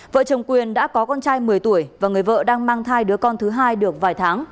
vợ chồng quyền đã có con trai một mươi tuổi và người vợ đang mang thai đứa con thứ hai được vài tháng